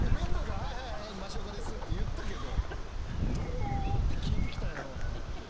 「はいはいマシ・オカです」って言ったけどどう思って聞いてきたんやろうなって。